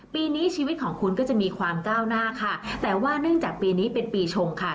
ปีนี้ชีวิตของคุณก็จะมีความก้าวหน้าค่ะแต่ว่าเนื่องจากปีนี้เป็นปีชงค่ะ